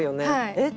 「えっ？」